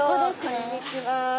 こんにちは。